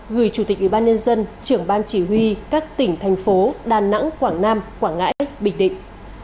gửi chủ tịch ủy ban nhân dân trưởng ban chỉ huy các tỉnh thành phố đà nẵng quảng nam quảng ngãi bình định